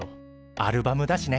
アルバムだしね。